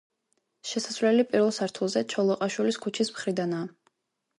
შესასვლელი პირველ სართულზე, ჩოლოყაშვილის ქუჩის მხრიდანაა.